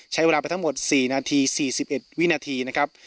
ใช้เวลาไปทั้งหมด๔นาที๔๑วินาทีนะครับ